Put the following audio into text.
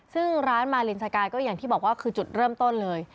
ซึ่งร้านมาลินสกายก็อย่างที่บอกว่าคือจุดเริ่มต้นเลย